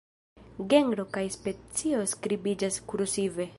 Genro kaj specio skribiĝas kursive.